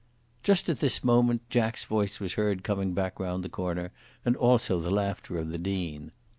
Just at this moment Jack's voice was heard coming back round the corner, and also the laughter of the Dean.